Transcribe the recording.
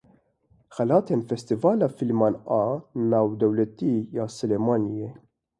Xelatên Festîvala Fîlman a Navdewletî ya Silêmaniyê.